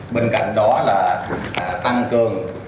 bên cạnh đó là tăng cường